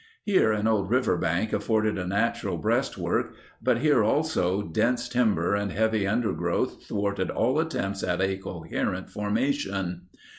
Here an old river bank afforded a natural breast work, but here, also, dense timber and heavy under growth thwarted all attempts at a coherent formation.